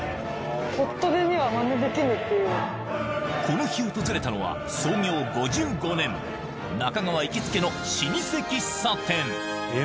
この日訪れたのは創業５５年中川行きつけの老舗喫茶店